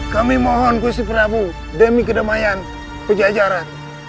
kami mohon kusip ramu demi kedamaian pejajaran